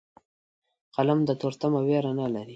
قلم له تورتمه ویره نه لري